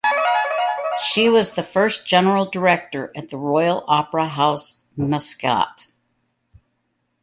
She was the first general director at the Royal Opera House Muscat.